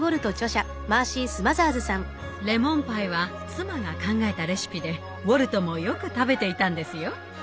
レモンパイは妻が考えたレシピでウォルトもよく食べていたんですよ。